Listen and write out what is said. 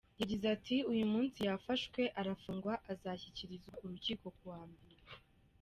Yagize ati "Uyu munsi yafashwe arafungwa azashyikirizwa urukiko ku wa Mbere.